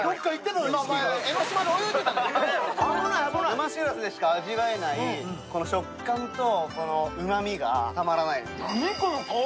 生しらすでしか味わえない食感とうまみがたまらないですよ。